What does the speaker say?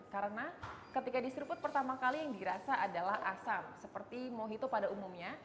karena ketika diseruput pertama kali yang dirasa adalah asam seperti mojito pada umumnya